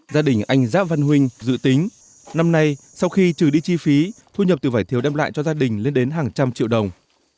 gia đình anh giáp văn huynh dự tính năm nay sau khi trừ đi chi phí thu nhập từ vải thiều đem lại cho gia đình lên đến hàng trăm triệu đồng